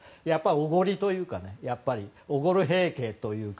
おごりというかおごる平家というか。